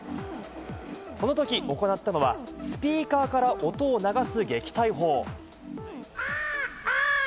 このとき行ったのはスピーカーから音を流す撃退法。